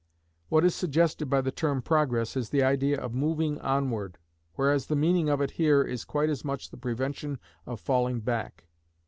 What is suggested by the term Progress is the idea of moving onward, whereas the meaning of it here is quite as much the prevention of falling back.